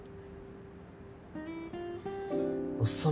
おっさん